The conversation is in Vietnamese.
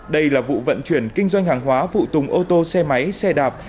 đây là vụ vận chuyển kinh doanh hàng hóa phụ tùng ô tô xe máy xe đạp